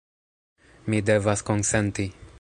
Mi devas konsenti.